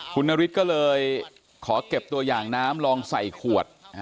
คุณนฤทธิ์ก็เลยขอเก็บตัวอย่างน้ำลองใส่ขวด